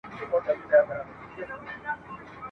نو په ټولنیزه توګه یوې ښځي